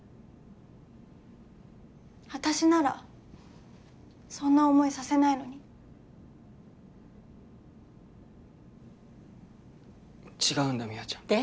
私ならそんな思いさせないのに違うんだ美和ちゃんで？